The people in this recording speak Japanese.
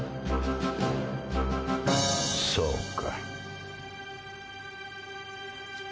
そうか。